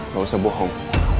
gak usah bohong